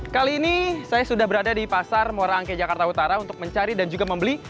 kali ini saya sudah berada di pasar muara angke jakarta utara untuk mencari dan juga membeli